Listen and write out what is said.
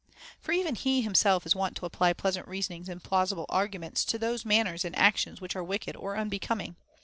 For even he himself is wont to apply pleasant reasonings and plausible arguments to those manners and actions which are wicked or unbecoming.